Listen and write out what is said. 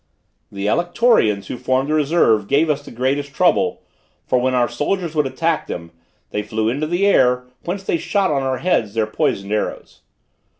The Alectorians, who formed the reserve, gave us the greatest trouble, for when our soldiers would attack them, they flew into the air, whence they shot on our heads their poisoned arrows.